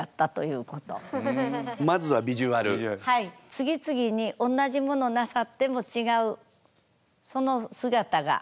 次々におんなじものなさっても違うその姿が。